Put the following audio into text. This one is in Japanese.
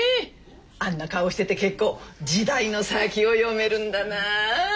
あんな顔してて結構時代の先を読めるんだなあ。